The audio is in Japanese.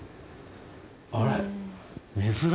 あれ？